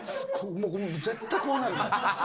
もう絶対こうなるもん。